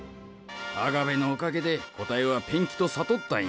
アガベのおかげで答えはペンキと悟ったんや。